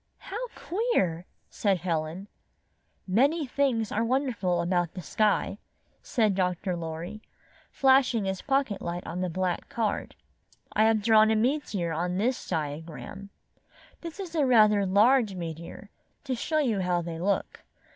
"How queer!" said Helen. "]Many things are wonderful about the sky," said Dr. Loriy, flashing his pocket light on the black card. "I have drawn a meteor on this diagram. This is rather a large meteor, to show you how they look.